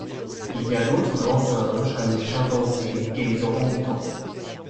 Il y a d’autres grands singes comme les chimpanzés et les orangs-outans.